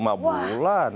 wah lima bulan